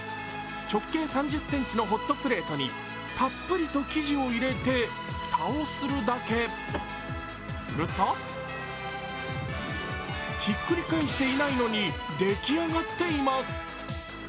直径３０ｃｍのホットプレートにたっぷりと生地を入れて蓋をするだけ、するとひっくり返していないのに出来上がっています。